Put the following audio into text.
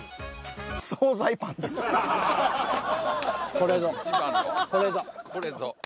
これぞ。